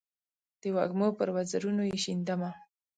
د وږمو پر وزرونو یې شیندمه